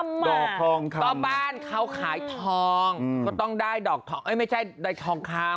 มีของทองแท้ต่อบ้านเขาขายทองก็ต้องได้ดอกทองไม่ใช่ทองคำ